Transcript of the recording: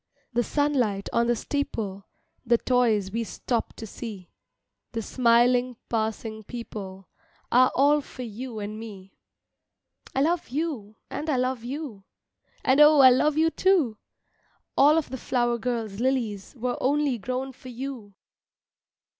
The sunlight on the steeple, The toys we stop to see, The smiling passing people Are all for you and me. "I love you and I love you!" "And oh, I love you, too!" "All of the flower girl's lilies Were only grown for you!"